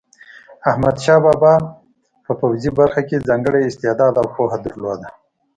احمدشاه بابا په پوځي برخه کې ځانګړی استعداد او پوهه درلوده.